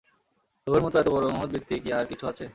লোভের মতো এত বড়ো মহৎ বৃত্তি কি আর-কিছু আছে?